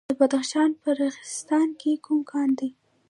د بدخشان په راغستان کې کوم کان دی؟